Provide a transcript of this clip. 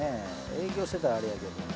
営業してたらあれやけど。